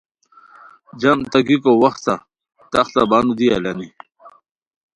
جم تہ گیکو وختہ تختہ بانو دی الانی